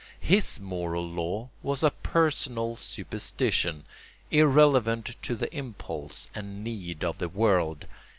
His moral law was a personal superstition, irrelevant to the impulse and need of the world.